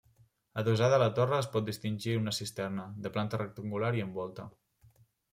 Adossada a la torre es pot distingir una cisterna, de planta rectangular i amb volta.